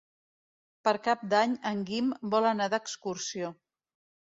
Per Cap d'Any en Guim vol anar d'excursió.